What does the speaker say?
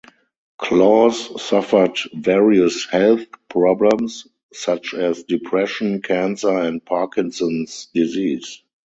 Claus suffered various health problems, such as depression, cancer and Parkinson's disease.